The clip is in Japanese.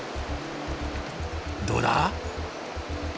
どうだ？